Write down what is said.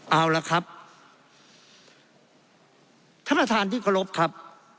เอาละครับท่านประธานที่เคารพครับ